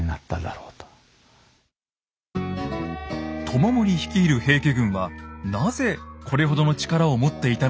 知盛率いる平家軍はなぜこれほどの力を持っていたのでしょうか？